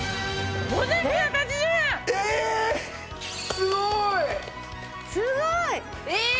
すごい！ええ！